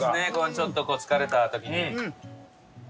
ちょっとこう疲れた時に。